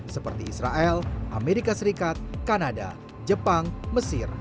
seperti israel amerika serikat kanada jepang mesir